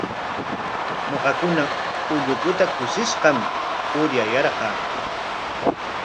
Ñuqakuna ullukuta kushishqam uryayarqaa.